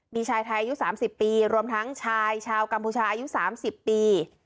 มีชายไทยอายุสามสิบปีรวมทั้งชายชาวกัมพูชาอายุสามสิบปี